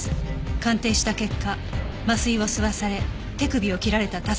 鑑定した結果麻酔を吸わされ手首を切られた他殺だったと判明した